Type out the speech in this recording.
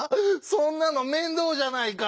そんなの面倒じゃないか！